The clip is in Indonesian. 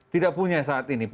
tidak punya saat ini